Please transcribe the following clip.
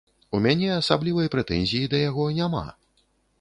У мяне асаблівай прэтэнзіі да яго няма.